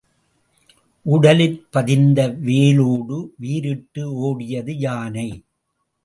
உடலிற் பதிந்த வேலோடு வீரிட்டு ஓடியது யானை.